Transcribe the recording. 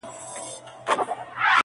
دوې درې ورځي کراري وه هر څه ښه وه؛